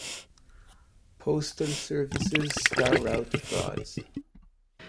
Postal Service's Star Route Frauds.